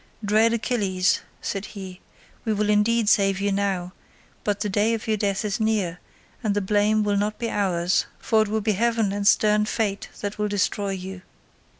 "Dread Achilles," said he, "we will indeed save you now, but the day of your death is near, and the blame will not be ours, for it will be heaven and stern fate that will destroy you.